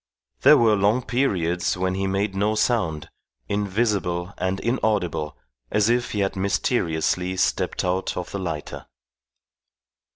There were long periods when he made no sound, invisible and inaudible as if he had mysteriously stepped out of the lighter.